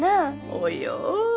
およ。